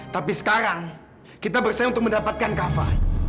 tapi sekarang kita bersayang untuk mendapatkan kafa